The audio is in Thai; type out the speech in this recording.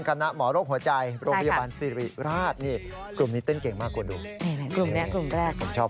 กรรมนี้เต้นเก่งมากกว่าดูนี่นี่นี่กลุ่มเนี้ยกลุ่มแรกผมชอบ